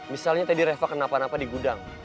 misalnya tadi reva kena apa apa di gudang